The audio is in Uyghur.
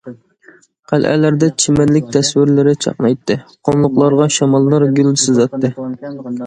قەلئەلەردە چىمەنلىك تەسۋىرلىرى چاقنايتتى، قۇملۇقلارغا شاماللار گۈل سىزاتتى كارامەت.